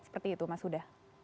seperti itu mas huda